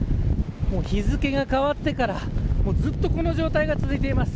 日付が変わってからずっとこの状態が続いています。